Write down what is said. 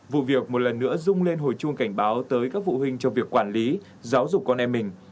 vụ việc một lần nữa rung lên hồi chuông cảnh báo tới các vụ huynh trong việc quản lý giáo dục con em mình